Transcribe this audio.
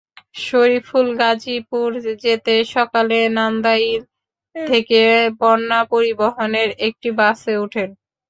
শরিফুল গাজীপুর যেতে সকালে নান্দাইল থেকে বন্যা পরিবহনের একটি বাসে ওঠেন।